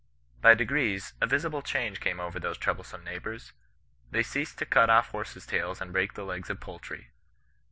By degrees, a visible change came over these troublesome neighbours. They ceased to cut off horses' tails and breatk the legs of poultiy.